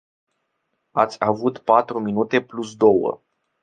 Ați avut patru minute plus două.